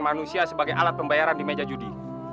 manusia sebagai alat pembayaran di meja judi